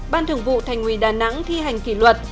ban thường vụ thành ủy đà nẵng thi hành kỷ luật